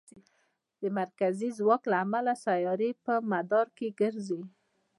د مرکزي ځواک له امله سیارې په مدار کې ګرځي.